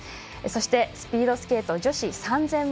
そして、スピードスケート女子３０００ｍ。